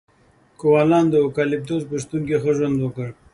کوالان د اوکالیپتوس په شتون کې ښه ژوند وکړ.